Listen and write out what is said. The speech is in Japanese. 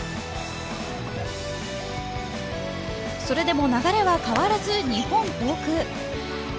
それでも流れは変わらず日本航空。